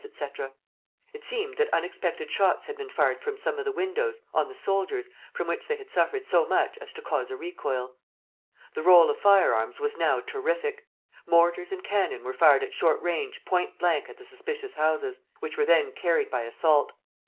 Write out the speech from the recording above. etc. It seemed that unexpected shots had been fired from some of the windows on the soldiers, from which they had suffered so much as to cause a recoil. The roll of firearms was now terrific. Mortars and cannon were fired at short range point blank at the suspicious houses, which were then carried by assault.